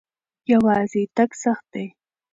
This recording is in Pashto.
یوازې تګ سخت دی.